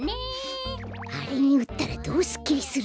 あれにうったらどうすっきりするんだろう？